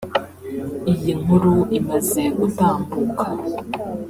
Iyi nkuru imaze gutambuka